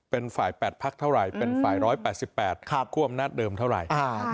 เป็นฝ่าย๘พักเท่าไหร่เป็นฝ่าย๑๘๘คั่วอำนาจเดิมเท่าไหร่